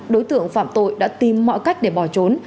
đối tượng phạm tội đã tìm mọi cách để bỏ trốn